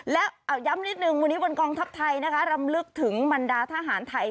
และย้ำนิดหนึ่งวันนี้วันกองทัพไทยนะคะรำลึกถึงมันดาทหารไทย